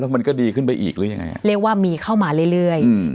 มันก็ดีขึ้นไปอีกหรือยังไงอ่ะเรียกว่ามีเข้ามาเรื่อยเรื่อยอืม